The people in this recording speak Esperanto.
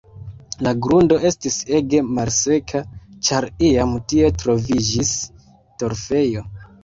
La grundo estis ege malseka, ĉar iam tie troviĝis torfejo.